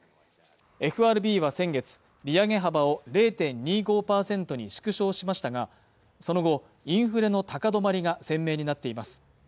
ＦＲＢは先月、利上げ幅を０．２５％に縮小しましたがその後、インフレの高止まりが鮮明になっています。